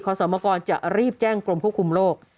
สมกรจะรีบแจ้งกรมควบคุมโรค